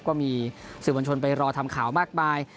ก็มีสื่อมวลชนไปรอทำข่าวมากมาย